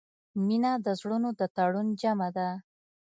• مینه د زړونو د تړون جامه ده.